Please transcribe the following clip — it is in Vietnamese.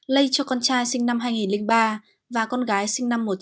lây cho con trai sinh năm hai nghìn ba và con gái sinh năm một nghìn chín trăm tám mươi